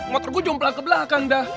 motor gue jomplang ke belakang dah